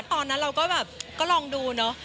ตอนนั้นเราก็แบบก็ลองดูเนอะ